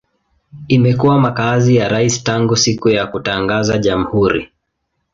Imekuwa makazi ya rais tangu siku ya kutangaza jamhuri.